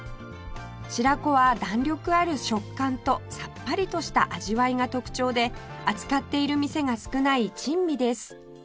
白子は弾力ある食感とさっぱりとした味わいが特徴で扱っている店が少ない珍味です